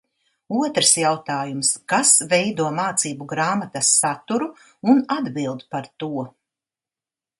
Otrs jautājums: kas veido mācību grāmatas saturu un atbild par to?